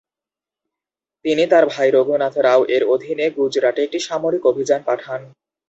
তিনি তার ভাই রঘুনাথ রাও-এর অধীনে গুজরাটে একটি সামরিক অভিযান পাঠান।